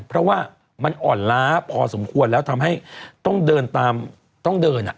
เพราะว่ามันอ่อนล้าพอสมควรแล้วทำให้ต้องเดินตามต้องเดิน